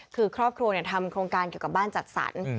คือครอบครัวทำโครงการเกี่ยวกับบ้านจัดสรร